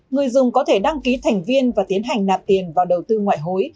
người dùng có thể đăng ký thành viên và tiến hành nạp tiền vào đầu tư ngoại hối